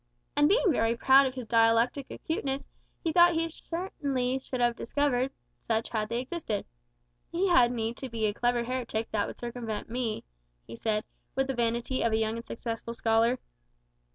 And being very proud of his dialectic acuteness, he thought he should certainly have discovered such had they existed. "He had need to be a clever heretic that would circumvent me," he said, with the vanity of a young and successful scholar.